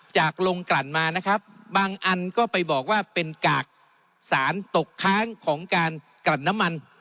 จากลงกลั่นมานะครับบางอันก็ไปบอกว่าเป็นกากสารตกค้างของการกลั่นน้ำมัน